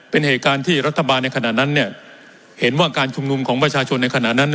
เป็นเหตุการณ์ที่รัฐบาลในขณะนั้นเนี่ยเห็นว่าการชุมนุมของประชาชนในขณะนั้น